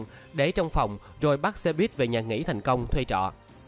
mạnh đứng trong phòng rồi bắt xe buýt về nhà nghỉ thành công thuê trọ